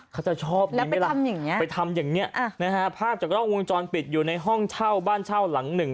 เขาจะชอบดีไหมล่ะไปทำอย่างนี้นะฮะภาพจากกล้องวงจรปิดอยู่ในห้องเช่าบ้านเช่าหลังหนึ่ง